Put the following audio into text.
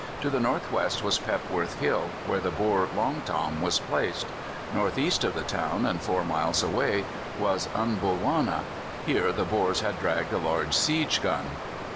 To the north west was Pepworth Hill, where the Boer Long Tom was placed; north east of the town, and four miles away, was Unbulwana: here the Boers had dragged a large siege gun.